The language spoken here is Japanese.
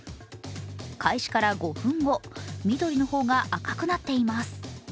開始から５分後緑の方が赤くなっています。